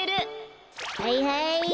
はいはい！